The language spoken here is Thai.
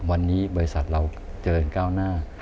วันนี้บริษัทเราเจริญก้าวหน้า